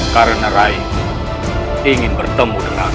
karena rai ingin bertemu denganmu